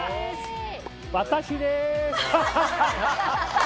私です！